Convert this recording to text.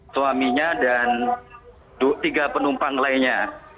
suaminya dan tiga penumpang lainnya